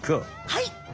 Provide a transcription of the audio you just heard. はい！